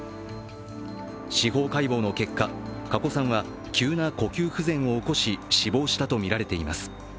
司法解剖の結果、加古さんは急な呼吸不全を起こし死亡したとみられています。